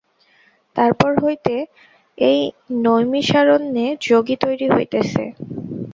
তার পর হইতে এই নৈমিষারণ্যে যোগী তৈরি হইতেছে।